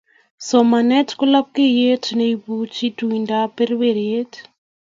somanet ko lapkeiyet ne ipuchi tuindap perperiet